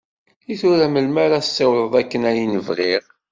I tura melmi ara ssiwḍeɣ akka ayen i bɣiɣ?